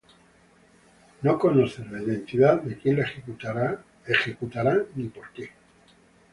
No conoces la identidad de quién la ejecutará ni por qué